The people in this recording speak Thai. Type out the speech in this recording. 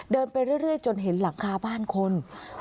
เดินไปเรื่อยจนเห็นหลังคาบ้านคน